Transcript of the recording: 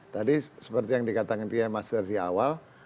tadi seperti yang dikatakan pia mas dervi awal